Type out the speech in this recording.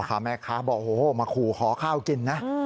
ขอขอแม่คะบอกโอ้โฮมาขู่ขอข้าวกินนะ